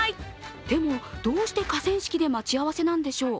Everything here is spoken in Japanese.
でも、どうして河川敷で待ち合わせなんでしょう？